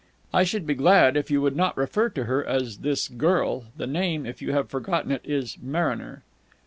"I should be glad if you would not refer to her as 'this girl.' The name, if you have forgotten it, is Mariner."